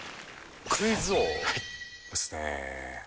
「クイズ王」ですね